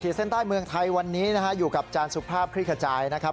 เส้นใต้เมืองไทยวันนี้นะฮะอยู่กับอาจารย์สุภาพคลิกขจายนะครับ